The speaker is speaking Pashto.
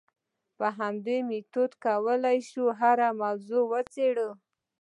په همدې میتود کولای شو هره موضوع وڅېړو.